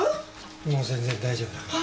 もう全然大丈夫だから。